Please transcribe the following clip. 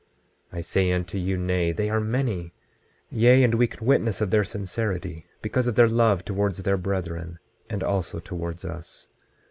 I say unto you, Nay, they are many; yea, and we can witness of their sincerity, because of their love towards their brethren and also towards us.